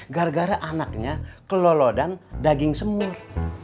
gara gara anaknya kelolodan daging semur